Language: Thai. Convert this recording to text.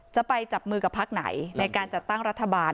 จะไปจับมือกับพักไหนในการจัดตั้งรัฐบาล